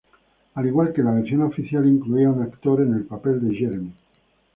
Al igual que la versión oficial, incluía un actor en el papel de Jeremy.